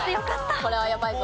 これはやばいぞ。